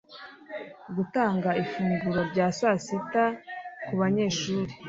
gutanga ifunguro rya saa sita ku banyeshuri